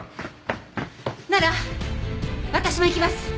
なら私も行きます。